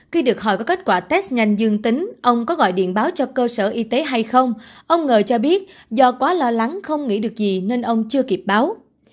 khi được hỏi có kết quả test nhanh dương tính ông có gọi điện báo cho cơ sở y tế hay không ông ngờ cho biết do quá lo lắng không nghĩ được gì nên ông chưa kịp báo